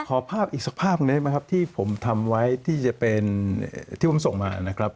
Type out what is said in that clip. ภาพอีกสักภาพหนึ่งได้ไหมครับที่ผมทำไว้ที่จะเป็นที่ผมส่งมานะครับ